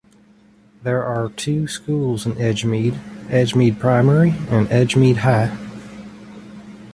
There are two schools in Edgemead: Edgemead Primary and Edgemead High.